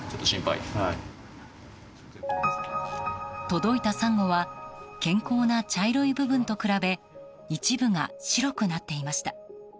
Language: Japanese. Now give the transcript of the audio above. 届いたサンゴは健康な茶色い部分と比べ一部が白くなっていました。